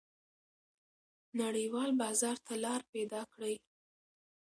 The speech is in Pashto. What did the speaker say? نړیوال بازار ته لار پیدا کړئ.